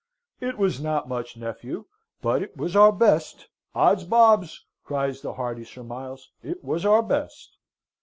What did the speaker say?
"It was not much, nephew, but it was our best. Ods bobs!" cries the hearty Sir Miles, "it was our best!"